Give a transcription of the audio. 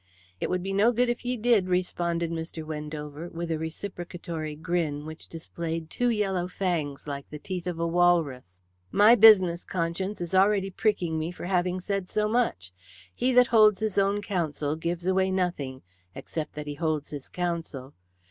"It would be no good if ye did," responded Mr. Wendover, with a reciprocatory grin which displayed two yellow fangs like the teeth of a walrus. "My business conscience is already pricking me for having said so much. He that holds his own counsel gives away nothing except that he holds his counsel.